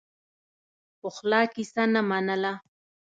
پخلا کیسه نه منله.